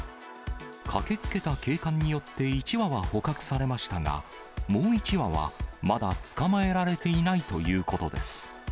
駆けつけた警官によって、１羽は捕獲されましたが、もう１羽はまだ捕まえられていないということです。